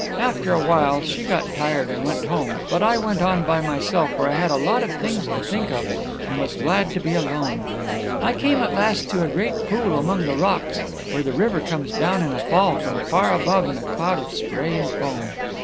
After a while she got tired and went home, but I went on by myself, for I had a lot of things to think of, and was glad to be alone. I came at last to a great pool among the rocks, where the river comes down in a fall from far above in a cloud of spray and foam.